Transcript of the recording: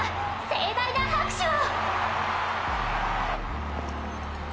盛大な拍手を！